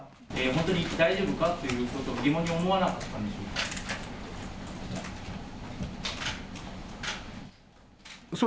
本当に大丈夫かということを疑問に思わなかったんですか。